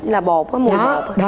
là bò có mùi rõ